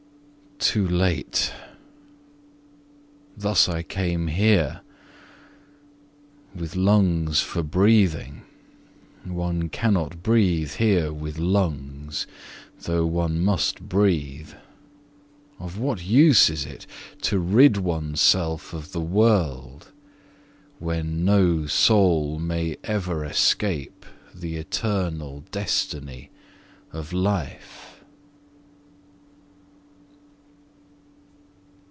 Too late! Thus I came here, With lungs for breathing ... one cannot breathe here with lungs, Though one must breathe Of what use is it To rid one's self of the world, When no soul may ever escape the eternal destiny of life?